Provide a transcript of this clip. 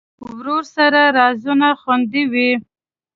ورور سره رازونه خوندي وي.